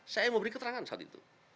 saya mau beri keterangan saat itu